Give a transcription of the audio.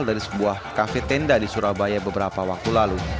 dari sebuah kafe tenda di surabaya beberapa waktu lalu